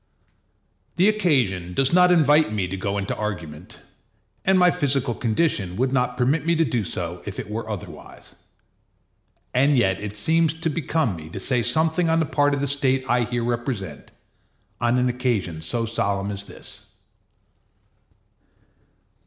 The occasion does not invite me to go into argument, and my physical condition would not permit me to do so if it were otherwise; and yet it seems to become me to say something on the part of the State I here represent, on an occasion so solemn as this.